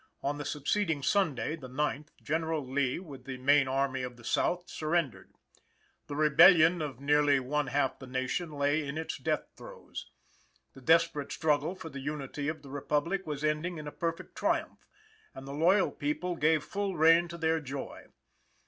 On the succeeding Sunday (the ninth), General Lee with the main Army of the South surrendered. The rebellion of nearly one half the nation lay in its death throes. The desperate struggle for the unity of the Republic was ending in a perfect triumph; and the loyal people gave full rein to their joy.